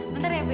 bentar ya bu ya